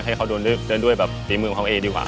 ให้เขาเดินด้วยแบบในมือของเขาเองดีกว่า